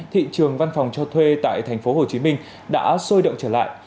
thị trường văn phòng cho thuê tại tp hcm đã sôi động trở lại